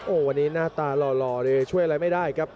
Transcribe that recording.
วันนี้หน้าตาหล่อเลยช่วยอะไรไม่ได้ครับ